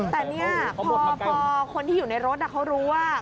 แต่เนี่ยพอคนที่อยู่ในรถเขารู้ว่า